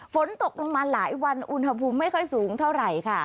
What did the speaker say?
ฝนตกลงมาหลายวันอุณหภูมิไม่ค่อยสูงเท่าไหร่ค่ะ